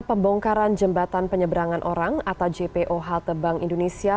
pembongkaran jembatan penyeberangan orang atau jpo haltebank indonesia